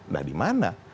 nah di mana